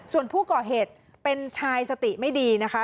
ส่วนผู้ก่อเหตุเป็นชายสติไม่ดีนะคะ